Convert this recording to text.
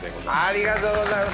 ありがとうございます！